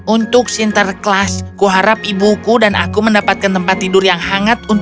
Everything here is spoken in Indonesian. untuk sinterklas kuharap ibuku dan aku mendapatkan tempat tidur yang hangat